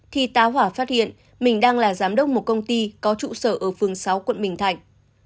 thì tá hỏa phát hiện mình đang là giám đốc một công ty có trụ sở ở phường sáu quận bình thạnh